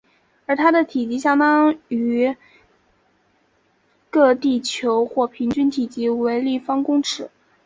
而它的体积相当于个地球或平均体积为立方公尺。